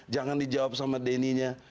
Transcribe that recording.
jangan dijawab sama denny nya